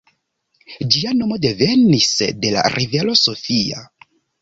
Ĝia nomo devenas de la rivero Sofia.